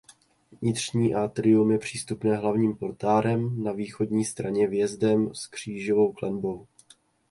Vnitřní atrium je přístupné hlavním portálem na východní straně vjezdem s křížovou klenbou.